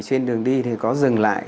trên đường đi thì có dừng lại